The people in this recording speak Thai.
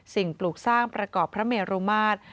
ปลูกสร้างประกอบพระเมรุมาตร